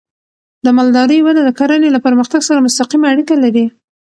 د مالدارۍ وده د کرنې له پرمختګ سره مستقیمه اړیکه لري.